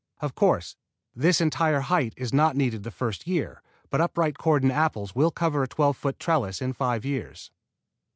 Of course, this entire height is not needed the first year, but upright cordon apples will cover a twelve foot trellis in five years.